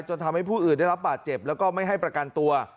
ทำให้ผู้อื่นได้รับบาดเจ็บแล้วก็ไม่ให้ประกันตัว